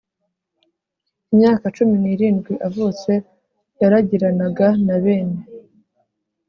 imyaka cumi n irindwi avutse yaragiranaga na bene